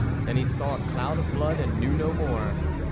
Then he saw a loud of blood, and knew no more.